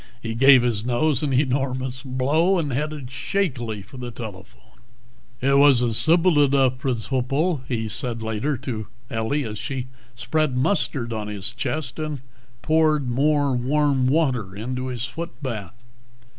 He gave his nose an enormous blow, and headed shakily for the telephone. "It was a sipple edough pridciple," he said later to Ellie as she spread mustard on his chest and poured more warm water into his foot bath.